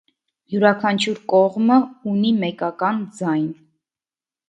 Յուրաքանչյուր կողմը ունի մեկական ձայն։